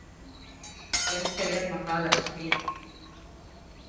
வெள்ளையர்கள் ஆப்பிரிக்காவிற்கு வந்து நீக்ரோக்களை அடிமைப்படுத்தி வருவதை வன்மையாகக் கண்டித்தார்.